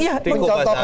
iya iya mengucapkan